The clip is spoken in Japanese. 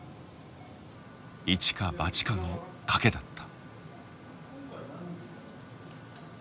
一か八かの賭けだった。